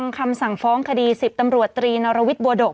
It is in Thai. คำสั่งฟ้องคดี๑๐ตำรวจตรีนรวิทย์บัวดก